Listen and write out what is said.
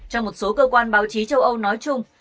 cho một số cơ quan báo chí châu âu nói chung